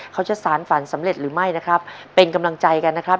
สารฝันสำเร็จหรือไม่นะครับเป็นกำลังใจกันนะครับ